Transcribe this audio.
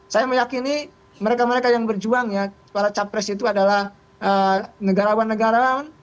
saya meyakini mereka mereka yang berjuang ya para capres itu adalah negarawan negarawan